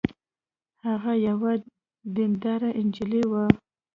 هغه یوه دینداره نجلۍ وه